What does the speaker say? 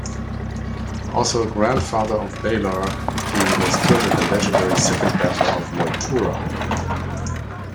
Also grandfather of Balor, he was killed at the legendary Second Battle of Moytura.